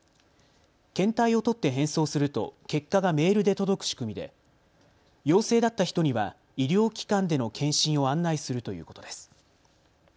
検体を採って返送すると結果がメールで届く仕組みで陽性だった人には医療機関での検診を案内するということです。